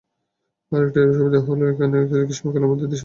আরেকটি সুবিধা হলো এখানকার গ্রীষ্মকালে আমাদের দেশের মতো তীব্র গরম থাকে না।